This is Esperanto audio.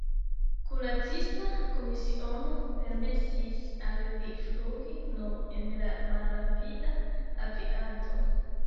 Kuracista komisiono permesis al li flugi nur en la malrapida aviado.